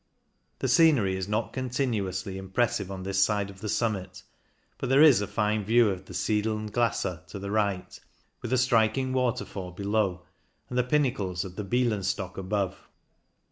The scenery is not continuously impressive THE FURKA 117 on this side of the summit, but there is a fine view of the Siedeln Glacier to the right, with a striking waterfall below, and the pinnacles of the Bielenstock above.